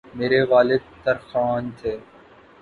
میرے والد ترکھان تھے